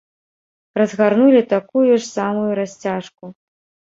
Разгарнулі такую ж самую расцяжку.